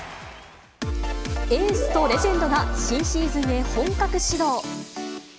エースとレジェンドが新シーズンへ、本格始動。